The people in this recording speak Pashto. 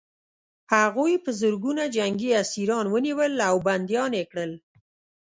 هغوی په زرګونه جنګي اسیران ونیول او بندیان یې کړل